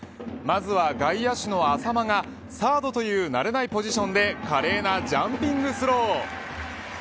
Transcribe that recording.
まずは外野手の淺間がサードという慣れないポジションで華麗なジャンピングスロー。